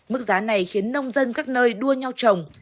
mức giá này khiến nông dân các nơi đua nhau trồng